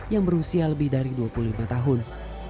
yang berusia lebih dari dua puluh lima tahun